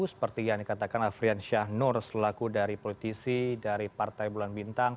seperti yang dikatakan afrian syahnur selaku dari politisi dari partai bulan bintang